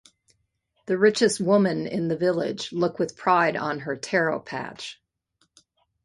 The richest woman in the village look with pride on her taro patch.